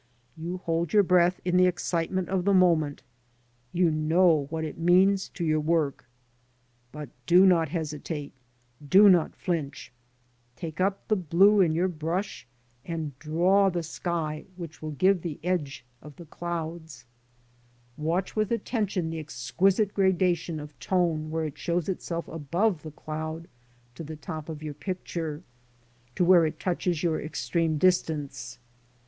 You hold your breath in the excitement of the moment, you know what it means to your work; but do not hesitate, do not flinch. Take up the blue in PAINTING FROM NATURE. 103 your brush and draw the sky, which will give the edge of the clouds. Watch with attention the exquisite gradation of tone where it shows itself above the cloud to the top of your picture, to where it touches your extreme distance.